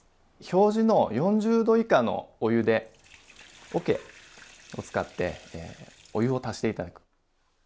表示の４０℃以下のお湯でおけを使ってお湯を足して頂く。